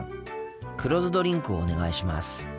黒酢ドリンクをお願いします。